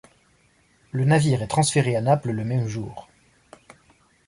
Le navire est transféré à Naples le même jour.